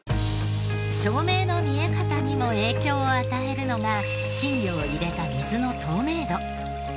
照明の見え方にも影響を与えるのが金魚を入れた水の透明度。